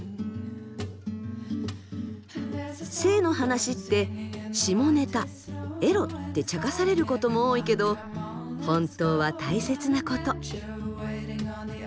性の話って下ネタエロってちゃかされることも多いけど本当は大切なこと。